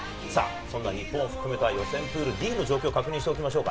日本を含めた予選プールＤの状況を確認しておきましょう。